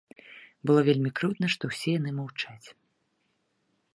Было вельмі крыўдна, што ўсе яны маўчаць.